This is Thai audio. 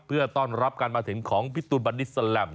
เพื่อต้อนรับการมาถึงของพี่ตูนบันนิสแลม